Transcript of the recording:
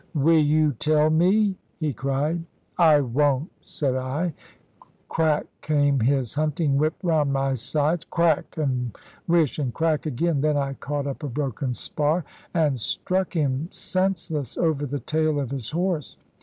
"Will you tell me?" he cried. "I won't," said I; crack came his hunting whip round my sides crack, and wish, and crack again; then I caught up a broken spar, and struck him senseless over the tail of his horse.